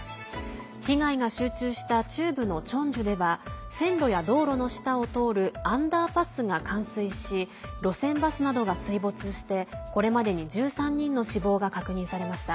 被害が集中した中部のチョンジュでは線路や道路の下を通るアンダーパスが冠水し路線バスなどが水没してこれまでに１３人の死亡が確認されました。